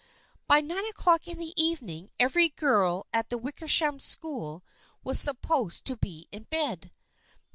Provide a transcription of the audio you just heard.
By nine o'clock in the evening every girl at the Wickersham School was supposed to be in bed.